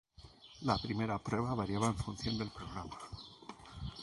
La primera prueba variaba en función del programa.